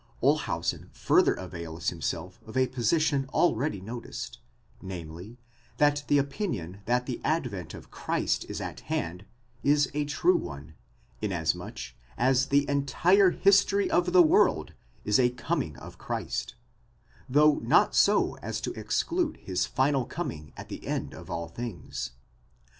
Olshausen further avails himself of a position already noticed, namely, that the opinion that the advent of Christ is at hand, is a true one, inasmuch as the entire history of the world is a coming of Christ ; though not so as to exclude his final coming at the end of all things.